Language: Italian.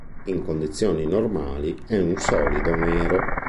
In condizioni normali è un solido nero.